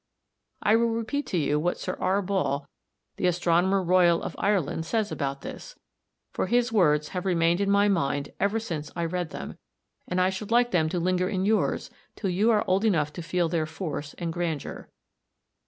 I will repeat to you what Sir R. Ball, the Astronomer Royal of Ireland, says about this, for his words have remained in my mind ever since I read them, and I should like them to linger in yours till you are old enough to feel their force and grandeur.